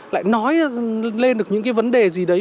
lại nói lên được những cái vấn đề gì đấy